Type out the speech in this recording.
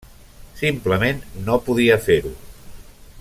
Simplement no podia fer-ho.